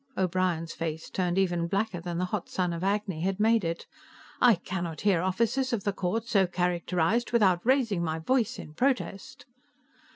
O'Brien's face turned even blacker than the hot sun of Agni had made it. "I cannot hear officers of the court so characterized without raising my voice in protest!"